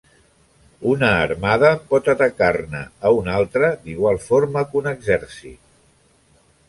Una armada pot atacar-ne a una altra d'igual forma que un exèrcit.